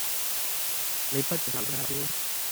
不如你去隔離房睇吓書